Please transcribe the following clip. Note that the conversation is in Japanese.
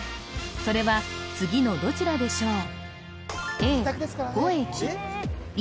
それは次のどちらでしょう？